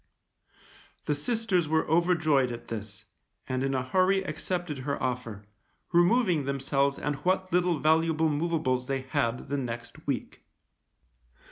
The sisters were overjoyed at this, and in a hurry accepted her offer, removing themselves and what little valuable movables they had the next week.